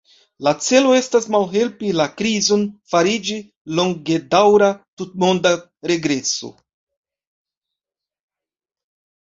Le celo estas malhelpi la krizon fariĝi longedaŭra tutmonda regreso.